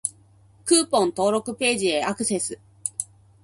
クーポン登録ページへアクセス